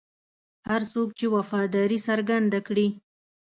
هر څوک چې وفاداري څرګنده کړي.